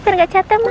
biar nggak jatah mas